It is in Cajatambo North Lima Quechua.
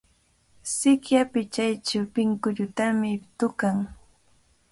Sikya pichaychaw pinkullutami tukan.